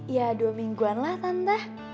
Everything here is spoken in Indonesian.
ya dua mingguan lah tante